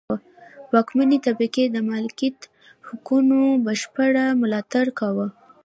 واکمنې طبقې د مالکیت حقونو بشپړ ملاتړ کاوه.